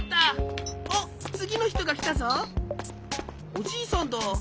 おじいさんだ。